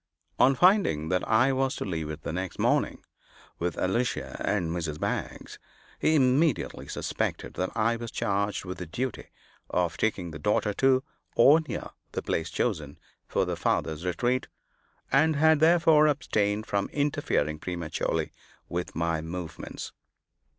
On finding that I was to leave it the next morning, with Alicia and Mrs. Baggs, he immediately suspected that I was charged with the duty of taking the daughter to, or near, the place chosen for the father's retreat; and had therefore abstained from interfering prematurely with my movements.